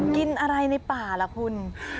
กินอะไรในป่าล่ะคุณ